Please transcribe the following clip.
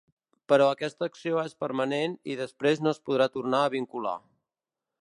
Però aquesta acció és permanent i després no es podrà tornar a vincular.